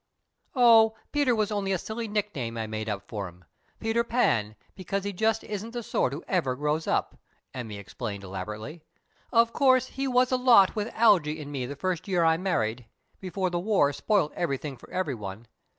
"Oh, 'Peter' was only a silly nickname I made up for him. 'Peter Pan', because he just isn't the sort who ever grows up!" Emmy explained elaborately. "Of course he was a lot with Algy and me the first year I married before the war spoilt everything for everyone.